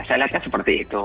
saya lihatnya seperti itu